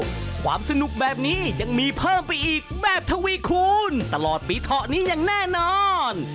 ความสนุกแบบนี้ยังมีเพิ่มไปอีกแบบทวีคูณตลอดปีเถาะนี้อย่างแน่นอน